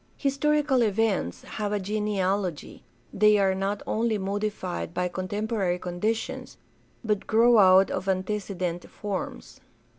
Historical events have a genealogy; they are not only modified by contempo rary conditions, but grow out of antecedent forms.